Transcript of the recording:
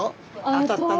当たったの？